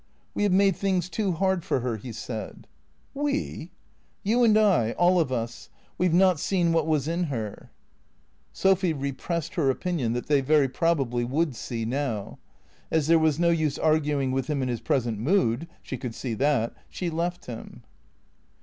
" We have made things too hard for her " he said. " We ?"" You and I — all of us. We 've not seen what was in her." Sophy repressed her opinion that they very probably would see now. As there was no use arguing with him in his present mood (she could see that), she left him.